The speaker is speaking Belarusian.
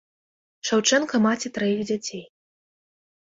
Шаўчэнка маці траіх дзяцей.